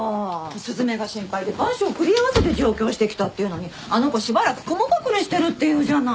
雀が心配で万障繰り合わせて上京してきたっていうのにあの子しばらく雲隠れしてるっていうじゃない。